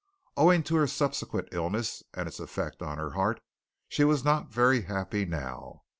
Owing to her subsequent illness and its effect on her heart, she was not very happy now.